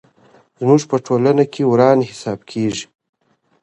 زموږ په ټولنه کي وران حساب کېږي.